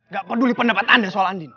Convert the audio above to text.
gak peduli pendapat anda soal andin